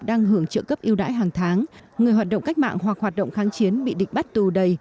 đang hưởng trợ cấp yêu đãi hàng tháng người hoạt động cách mạng hoặc hoạt động kháng chiến bị địch bắt tù đầy